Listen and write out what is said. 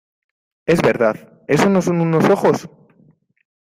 es verdad, ¿ eso no son unos ojos?